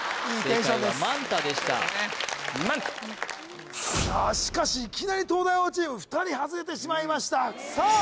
正解はマンタでしたさあしかしいきなり東大王チーム２人はずれてしまいましたさあ